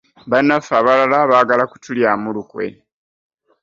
Bannaffe abalala baagala kutulyamu lukwe.